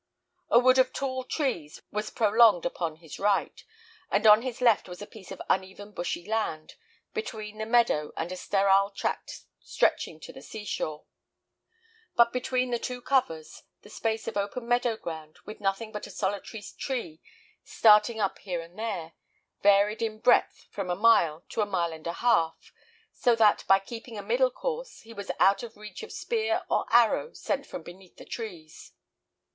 A wood of tall trees was prolonged upon his right; and on his left was a piece of uneven bushy land, between the meadow and a sterile tract stretching to the sea shore; but between the two covers, the space of open meadow ground, with nothing but a solitary tree starting up here and there, varied in breadth from a mile to a mile and a half, so that, by keeping a middle course, he was out of reach of spear or arrow sent from beneath the trees.